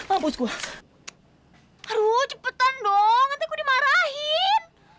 bagusku cepetan dong nanti aku dimarahin